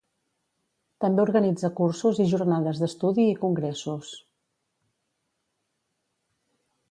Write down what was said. També organitza cursos i jornades d'estudi i congressos.